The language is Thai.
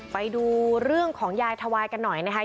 ไปดูเรื่องของยายทวายกันหน่อยนะคะ